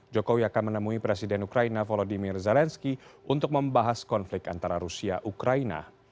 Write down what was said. jokowi akan menemui presiden ukraina volodymyr zelensky untuk membahas konflik antara rusia ukraina